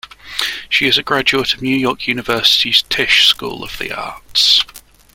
She is a graduate of New York University's Tisch School of the Arts.